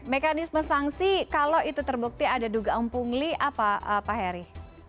mekanisme sanksi kalau itu terbukti ada dugaan pungli apa pak heri